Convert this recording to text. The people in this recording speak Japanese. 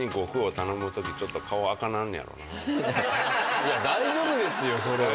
いや大丈夫ですよそれは。